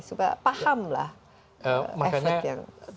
supaya paham lah efek yang ada